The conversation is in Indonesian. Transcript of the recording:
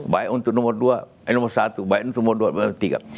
baik untuk nomor satu baik untuk nomor dua baik untuk nomor tiga